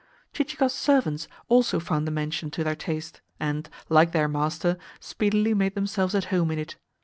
Chichikov's servants also found the mansion to their taste, and, like their master, speedily made themselves at home in it.